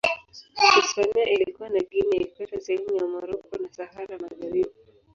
Hispania ilikuwa na Guinea ya Ikweta, sehemu za Moroko na Sahara Magharibi.